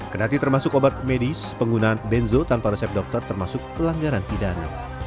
kenati termasuk obat medis penggunaan benzo tanpa resep dokter termasuk pelanggaran pidana